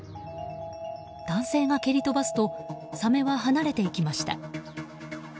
男性が蹴り飛ばすとサメは離れていきました。